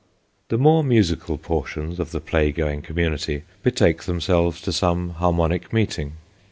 The more musical portion of the play going community betake themselves to some harmonic meeting.